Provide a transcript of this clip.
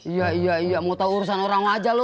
iya iya iya mau tau urusan orang wajah lo